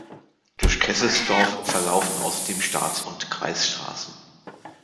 Durch Kesselsdorf verlaufen außerdem Staats- und Kreisstraßen.